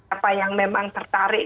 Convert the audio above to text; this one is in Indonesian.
apa yang memang tertarik